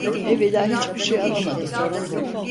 Evvela hiçbir şey anlamadım.